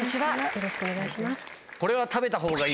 よろしくお願いします。